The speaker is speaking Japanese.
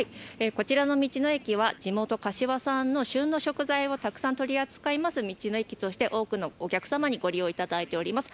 こちらの道の駅は地元、柏産の旬の食材をたくさん取り扱う道の駅として多くのお客様にご利用いただいております。